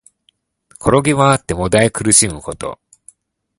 転げまわって悶え苦しむこと。